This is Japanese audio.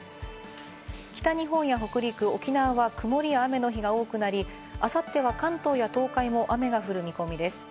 北日本や北陸、沖縄は曇りや雨の日が多くなり、あさっては関東や東海も雨が降る見込みです。